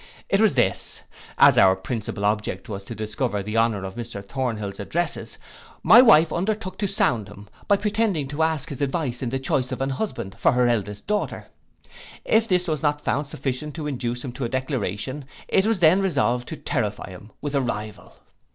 It was this: as our principal object was to discover the honour of Mr Thornhill's addresses, my wife undertook to sound him, by pretending to ask his advice in the choice of an husband for her eldest daughter. If this was not found sufficient to induce him to a declaration, it was then resolved to terrify him with a rival.